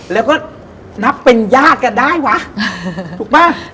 แล้วก็นับเป็นญาติกันได้วะถูกป่ะ